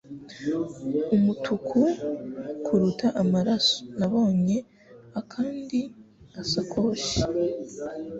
umutuku kuruta amaraso Nabonye akandi gasakoshi